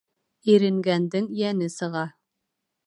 Иренгәндең йәне сыға.